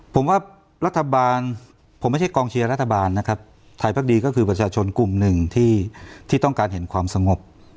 ผมว่ารัฐบาลผมไม่ใช่กองเชียร์รัฐบาลนะครับไทยพักดีก็คือประชาชนกลุ่มหนึ่งที่ต้องการเห็นความสงบ